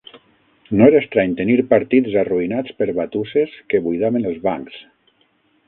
No era estrany tenir partits arruïnats per batusses que buidaven els bancs.